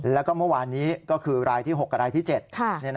แล้วก็เมื่อวานนี้ก็คือรายที่๖กับรายที่๗